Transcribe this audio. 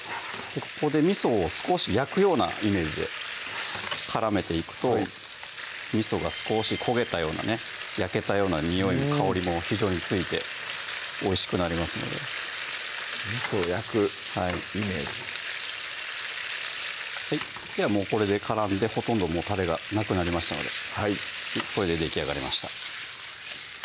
ここでみそを少し焼くようなイメージで絡めていくとみそが少し焦げたようなね焼けたようなにおい香りも非常についておいしくなりますのでみそを焼くイメージではこれで絡んでほとんどもうたれがなくなりましたのでこれでできあがりました